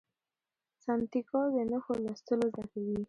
سانتیاګو د نښو لوستل زده کوي.